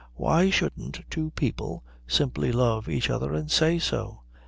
Why shouldn't two people simply love each other and say so?